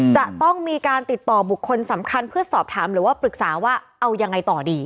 จะต้องมีการติดต่อบุคคลสำคัญเพื่อสอบถามหรือว่าปรึกษาว่าเอายังไงต่อดี